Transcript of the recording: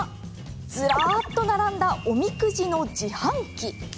ずらっと並んだおみくじの自販機。